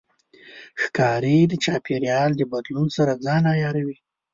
ښکاري د چاپېریال د بدلون سره ځان عیاروي.